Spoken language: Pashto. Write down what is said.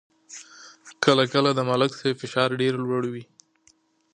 کله کله د ملک صاحب فشار ډېر لوړېږي.